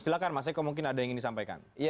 silahkan mas eko mungkin ada yang ingin disampaikan